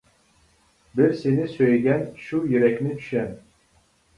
بىر سېنى سۆيگەن شۇ يۈرەكنى چۈشەن.